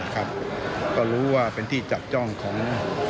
ครับก็รู้ว่าเป็นที่จับจ้องของ